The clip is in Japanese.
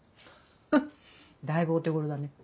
フッだいぶお手頃だね。